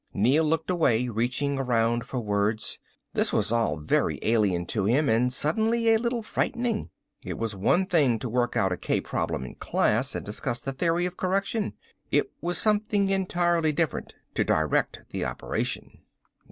Neel looked away, reaching around for words. This was all very alien to him and suddenly a little frightening. It was one thing to work out a k problem in class, and discuss the theory of correction. It was something entirely different to direct the operation.